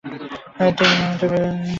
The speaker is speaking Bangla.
এটা, আমার এটা ফেলে দেওয়া উচিত ছিল।